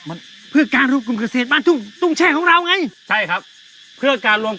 โอ๊ยโอ๊ยคาเต้นเยาะเยาะเยาะเยาะเยมเยนแบบนี้นะ